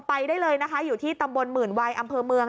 ไปได้เลยนะคะอยู่ที่ตำบลหมื่นวัยอำเภอเมือง